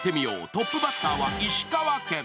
トップバッターは石川県。